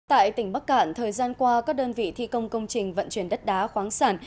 tại tỉnh bắc cạn thời gian qua các đơn vị thi công công trình vận chuyển đất đá khoáng sản